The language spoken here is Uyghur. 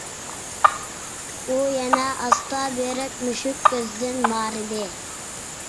ئۇ يەنە ئاستا بېرىپ، «مۈشۈك كۆز» دىن مارىدى.